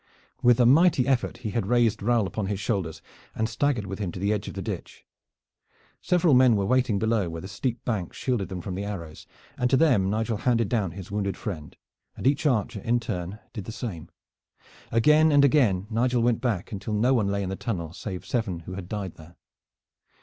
With a mighty effort he had raised Raoul upon his shoulders and staggered with him to the edge of the ditch. Several men were waiting below where the steep bank shield them from the arrows, and to them Nigel handed down his wounded friend, and each archer in turn did the same. Again and again Nigel went back until no one lay in the tunnel save seven who had died there.